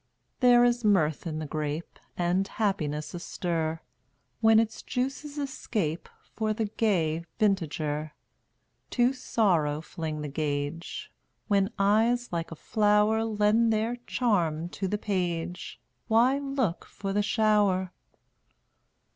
199 There is mirth in the grape And happiness astir When its juices escape For the gay vintager. To Sorrow fling the gage; When eyes like a flower Lend their charm to the page Why look for the shower?